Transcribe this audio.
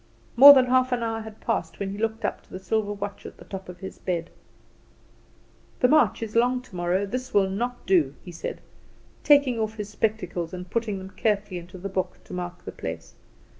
More than half an hour had passed when he looked up to the silver watch at the top of his bed. "The march is long tomorrow; this will not do," he said, taking off his spectacles and putting them carefully into the book to mark the place.